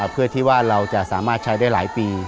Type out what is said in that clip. เพื่อที่ว่าเราจะสามารถใช้ได้หลายปี